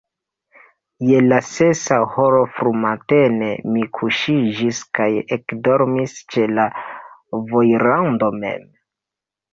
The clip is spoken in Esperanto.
Je la sesa horo frumatene mi kuŝiĝis kaj ekdormis ĉe la vojrando mem.